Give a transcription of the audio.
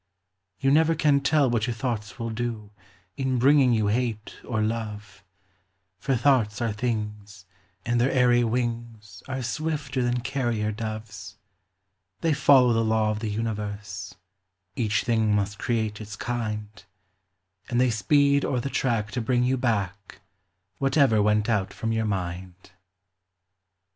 You never can tell what your thoughts will do, In bringing you hate or love; For thoughts are things, and their airy wings Are swifter than carrier doves. They follow the law of the universe— Each thing must create its kind; And they speed o'er the track to bring you back Whatever went out from your mind.